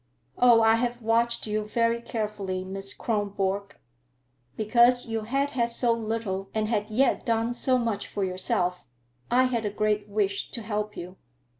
"Oh, I have watched you very carefully, Miss Kronborg. Because you had had so little and had yet done so much for yourself, I had a great wish to help you.